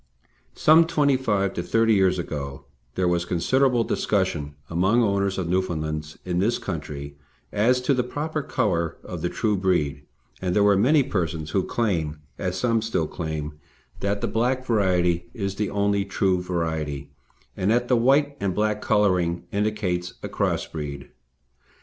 Some twenty five to thirty years ago there was considerable discussion among owners of Newfoundlands in this country as to the proper colour of the true breed, and there were many persons who claimed, as some still claim, that the black variety is the only true variety, and that the white and black colouring indicates a cross breed.